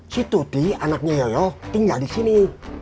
si tuti anaknya yoyo tinggal di sini